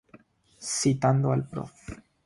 Citando al Prof.